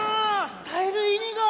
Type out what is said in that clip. スタイルいいが！